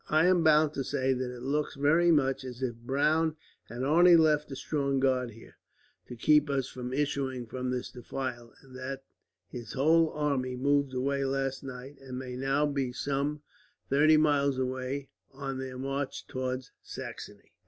I am bound to say that it looks very much as if Browne had only left a strong guard here, to keep us from issuing from this defile; and that his whole army moved away last night, and may now be some thirty miles away, on their march towards Saxony."